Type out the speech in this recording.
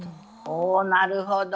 おおなるほど。